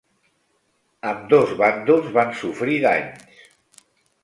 Ambdós bàndols van sofrir danys.